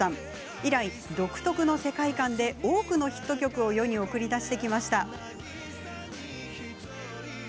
以来、独特の世界観で多くのヒット曲を世に送り出してきました。